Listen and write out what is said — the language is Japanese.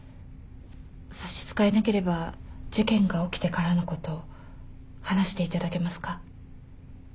差し支えなければ事件が起きてからのこと話していただけますか？